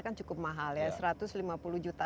kan cukup mahal ya satu ratus lima puluh juta